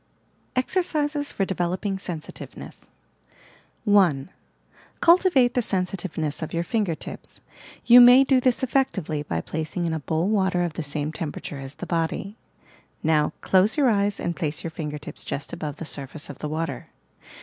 EXEKCISES FOB DEVELOPING SENSITIVENESS 1. Cultivate the sensitiveness of your finger tips. You may do this effectively by placing in a bowl water of the same temperature as the body. Now, close your eyes and place your finger tips just above the surface of the water.